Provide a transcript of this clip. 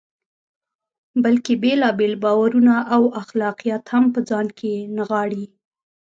بلکې بېلابېل باورونه او اخلاقیات هم په ځان کې نغاړي.